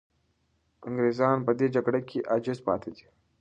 انګریزان په دې جګړه کې عاجز پاتې دي.